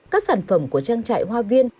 các sản phẩm của trang trại hoa viên